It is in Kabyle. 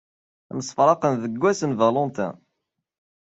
Msefraqen deg Wass n Valentin.